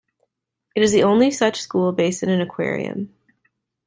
It is the only such school based in an aquarium.